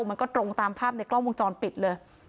มันก็ตรงตามภาพในกล้องวงจรปิดเลย